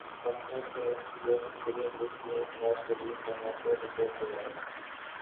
پاکستان کے F A T F grey list سے اخراج کیلئے اقدامات پر رپورٹ تیار